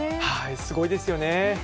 すごいですよね。